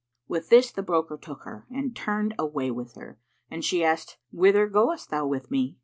'" With this the broker took her and turned away with her, and she asked, "Whither goest thou with me?"